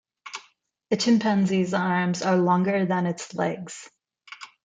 A chimpanzee's arms are longer than its legs.